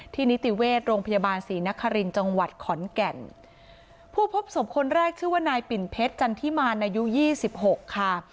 นิติเวชโรงพยาบาลศรีนครินทร์จังหวัดขอนแก่นผู้พบศพคนแรกชื่อว่านายปิ่นเพชรจันทิมารอายุยี่สิบหกค่ะ